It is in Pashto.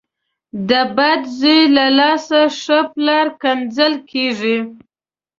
د بد زوی له لاسه ښه پلار کنځل کېږي.